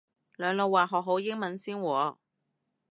兩老話學好英文先喎